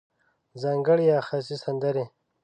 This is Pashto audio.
ځانګړې یا خاصې سندرې